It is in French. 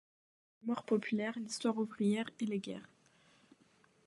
Il travaille sur la mémoire populaire, l'histoire ouvrière et les guerres.